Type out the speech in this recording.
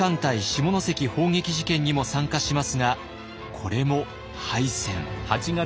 下関砲撃事件にも参加しますがこれも敗戦。